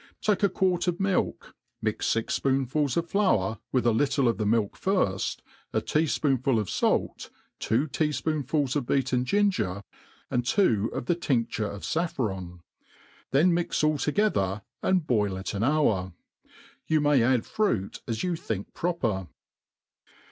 TAKE a quart of milk, mix fix fpoonfuls of flour, with a little of the milk firfi, a te:» fpoonful of fait, two tea fpoonfuls of beaten ginger^ and two of the tindure of fafFron ; then mix all together, and boil it an hour. You may add fruit as you think proper.